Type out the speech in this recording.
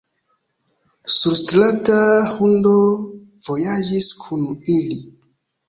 Surstrata hundo vojaĝis kun ili.